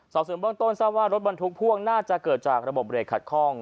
ส่วนสูญบ้างต้นหรือว่ารถบรรทุกพ่วงน่าจะเกิดจากระบบเรขัดคล่อง